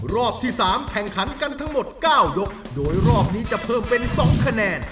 รอบที่๓แข่งขันกันทั้งหมด๙ยกโดยรอบนี้จะเพิ่มเป็น๒คะแนน